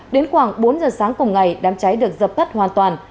đến khoảng bốn giờ sáng cùng ngày đám cháy được dập tắt hoàn toàn